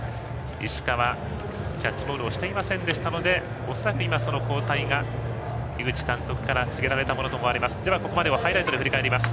石川、キャッチボールをしていませんでしたので恐らく、交代が井口監督から告げられたものと思われます。